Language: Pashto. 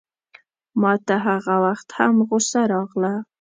ماته هغه وخت هم غوسه راغله.